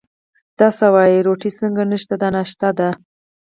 دا څه وایې، روټۍ څنګه نشته، دا ناشتا ده.